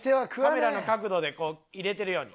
カメラの角度でこう入れてるように。